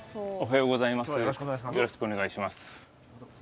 よろしくお願いします。